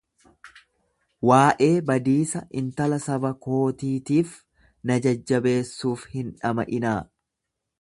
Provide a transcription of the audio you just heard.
Waa'ee badiisa intala saba kootiitiif na jajjabeessuuf hin dhama'inaa.